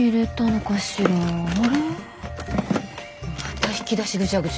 また引き出しぐちゃぐちゃ。